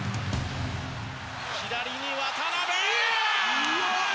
左に渡邊。